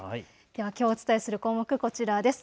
きょうお伝えする項目こちらです。